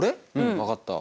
分かった。